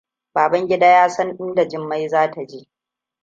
Babangida yasan inda Jummai zata je.